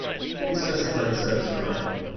Please specify the service provider.